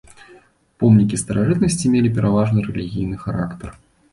Помнікі старажытнасці мелі пераважна рэлігійны характар.